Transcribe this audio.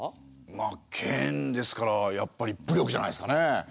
まあ剣ですからやっぱり武力じゃないですかね。